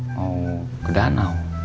mau ke danau